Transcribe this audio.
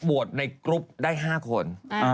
โหวตในกรุ๊ปได้๕คน